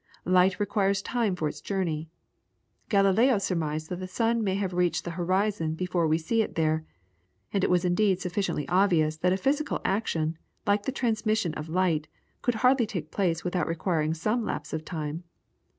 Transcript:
Light requires time for its journey. Galileo surmised that the sun may have reached the horizon before we see it there, and it was indeed sufficiently obvious that a physical action, like the transmission of light, could hardly take place without requiring some lapse of time.